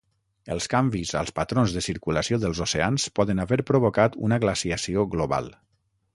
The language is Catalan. Els canvis als patrons de circulació dels oceans poden haver provocat una glaciació global.